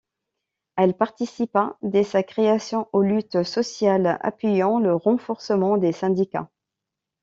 Elle participa dès sa création aux luttes sociales, appuyant le renforcement des syndicats.